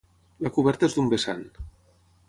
La coberta és d'un vessant.